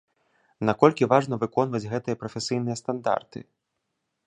Наколькі важна выконваць гэтыя прафесійныя стандарты?